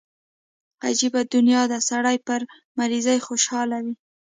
عجبه دنيا ده سړى پر مريضۍ خوشاله وي.